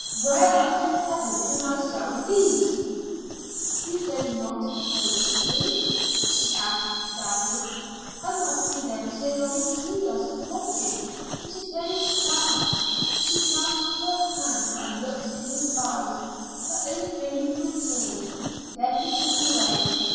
"Where under heaven can I sell these?" "You go not to the great city?" she asked sadly. "How must we then so long intrude us upon you! It is very sad." She clasped her hands and looked in his eyes, her own brimming with tears; then he turned away.